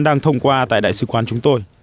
đang thông qua tại đại sứ quán chúng tôi